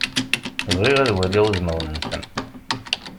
Bɣiɣ ad waliɣ udmawen-nsen.